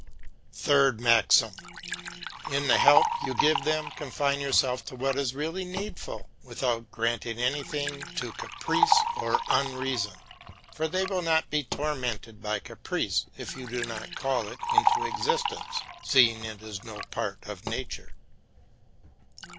THIRD MAXIM. In the help you give them confine yourself to what is really needful, without granting anything to caprice or unreason; for they will not be tormented by caprice if you do not call it into existence, seeing it is no part of nature.